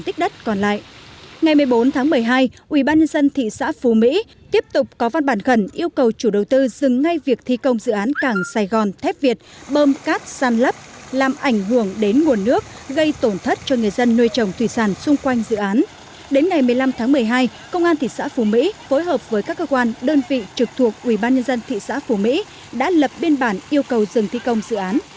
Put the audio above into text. trước đó ngày một mươi ba tháng một mươi hai ủy ban nhân dân thị xã phùng mỹ đã có văn bản đề nghị công ty thép comina hai trong quá trình thực hiện đúng cam kết tại cuộc họp ngày một tháng sáu năm hai nghìn một mươi bảy giữa ủy ban nhân dân thị xã phùng mỹ